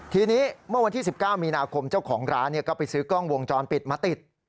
ทีนี้เมื่อวันที่๑๙มีนาคมเจ้าของร้านก็ไปซื้อกล้องวงจรปิดมาติด